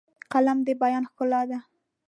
قلم د بیان ښکلا ده